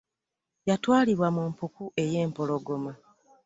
Yatwalibwa mu mpuku eyempologoma .